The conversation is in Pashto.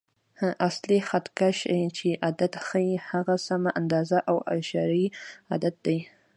اصلي خط کش چې عدد ښیي، هغه سمه اندازه او اعشاریه عدد دی.